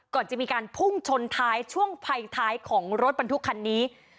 ก่อนจะมีการพุ่งชนท้ายช่วงภัยท้ายของรถบรรทุกคันนี้